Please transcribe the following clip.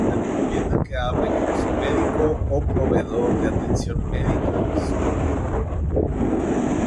se recomienda que hable con su médico o proveedor de atención médica sobre